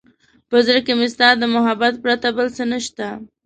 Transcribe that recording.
په زړه کې مې ستا د محبت پرته بل څه نشته.